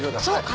そう。